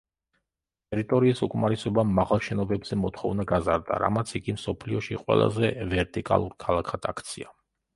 ტერიტორიის უკმარისობამ მაღალ შენობებზე მოთხოვნა გაზარდა, რამაც იგი მსოფლიოში ყველაზე ვერტიკალურ ქალაქად აქცია.